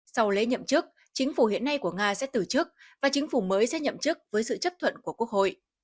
sau lễ nhậm chức chính phủ hiện nay của nga sẽ từ chức và chính phủ mới sẽ nhậm chức với sự chấp thuận của quốc hội